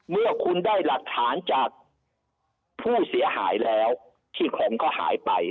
เมื่อคุณได้หลักฐานจากผู้เสียหายแล้วที่ของก็หายไป